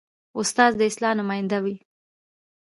استاد د اصلاح نماینده وي.